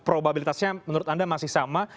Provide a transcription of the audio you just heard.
probabilitasnya menurut anda masih sama